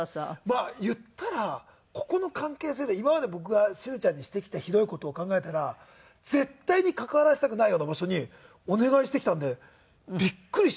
まあ言ったらここの関係性で今まで僕がしずちゃんにしてきたひどい事を考えたら絶対に関わらせたくないような場所にお願いしてきたんでびっくりしちゃって。